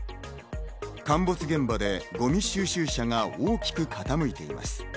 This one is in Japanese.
陥没現場でゴミ収集車が大きく傾いています。